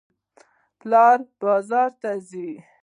پلار بازار ته ځي.